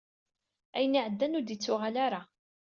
Ayen iɛeddan ur d-ittuɣal ara.